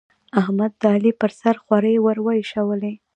احمد، د علي پر سر خورۍ ور واېشولې.